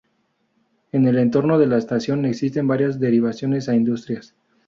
En el entorno de la estación existen varias derivaciones a industrias.